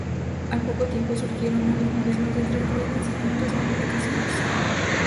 Al poco tiempo surgieron nuevos modelos de tres ruedas y con otras modificaciones.